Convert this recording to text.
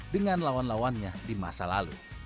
dengan lawan lawannya di masa lalu